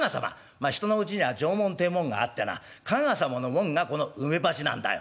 まあ人のうちには定紋ってえもんがあってな加賀様の紋がこの梅鉢なんだよ。